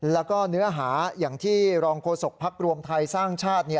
แล้วก็เนื้อหาอย่างที่รองโฆษกภักดิ์รวมไทยสร้างชาติ